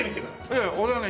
いやいや俺はね